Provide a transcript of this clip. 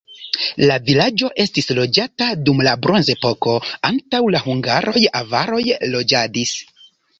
La vilaĝo estis loĝata dum la bronzepoko, antaŭ la hungaroj avaroj loĝadis.